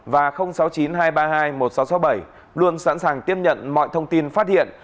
và sáu mươi chín hai trăm ba mươi hai một nghìn sáu trăm sáu mươi bảy luôn sẵn sàng tiếp nhận mọi thông tin phát hiện